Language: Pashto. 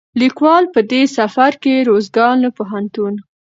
ليکوال په دې سفر کې روزګان له پوهنتون،